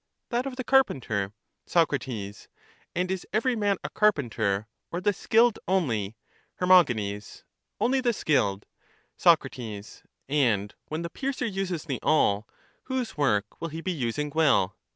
That of the carpenter. Soc. And is every man a carpenter, or the skilled only? Her. Only the skilled. Soc. And when the piercer uses the awl, whose work will he be using well?